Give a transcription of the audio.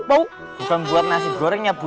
bau bukan buat nasi gorengnya bu